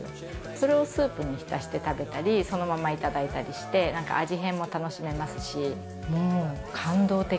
それをスープに浸して食べたり、そのまま頂いたりして、なんか味変も楽しめますし。